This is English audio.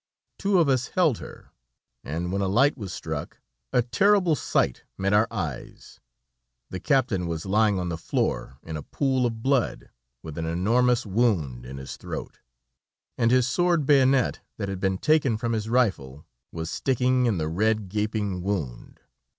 Two of us held her, and when a light was struck, a terrible sight met our eyes. The captain was lying on the floor in a pool of blood, with an enormous wound in his throat, and his sword bayonet that had been taken from his rifle, was sticking in the red, gaping wound.